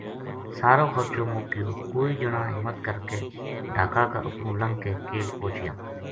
سارو خرچو مُک گیو کوئی جنا ہمت کر کے ڈھاکاں کا اُپروں لنگ کے کیل پوہچیا